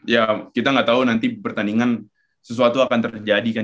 ya kita nggak tahu nanti pertandingan sesuatu akan terjadi kan